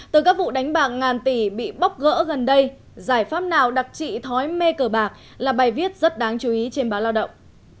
từ các vụ đánh bạc ngàn tỷ bị bóc gỡ gần đây giải pháp nào đặc trị thói mê cờ bạc là bài viết rất đáng chú ý trên báo lao động